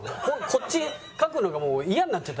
こっち書くのがもうイヤになっちゃってるもんね。